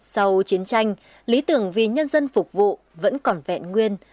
sau chiến tranh lý tưởng vì nhân dân phục vụ vẫn còn vẹn nguyên